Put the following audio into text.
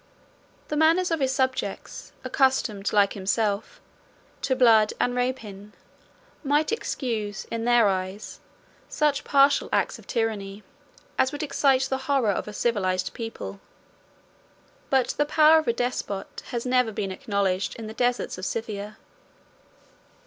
The manners of his subjects, accustomed, like himself, to blood and rapine, might excuse, in their eyes, such partial acts of tyranny, as would excite the horror of a civilized people; but the power of a despot has never been acknowledged in the deserts of Scythia.